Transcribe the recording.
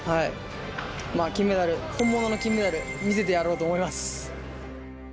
金メダル、本物の金メダル、見せてやろうと思います。